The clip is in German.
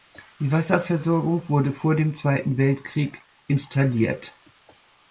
Die Wasserversorgung wurde vor dem Zweiten Weltkrieg installiert.